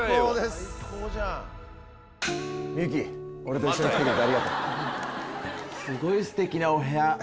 すごいステキなお部屋！